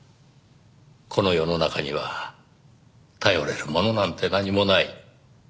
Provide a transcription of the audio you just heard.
この世の中には頼れるものなんて何もない。